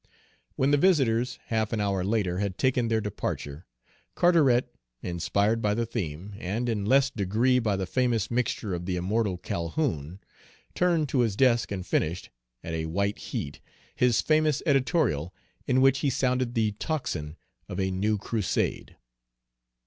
When the visitors, half an hour later, had taken their departure, Carteret, inspired by the theme, and in less degree by the famous mixture of the immortal Calhoun, turned to his desk and finished, at a white heat, his famous editorial in which he sounded the tocsin of a new crusade.